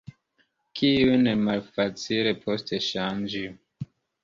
Kiujn malfacile poste ŝanĝi.